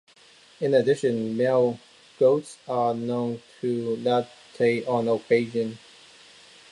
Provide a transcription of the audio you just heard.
In addition, male goats are known to lactate on occasion.